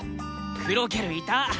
クロケルいた！